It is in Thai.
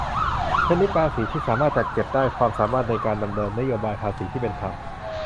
ชนิดภาษีที่สามารถจัดเก็บได้-ความสามารถในการดำเนินนโยบายภาษีที่เป็นธรรม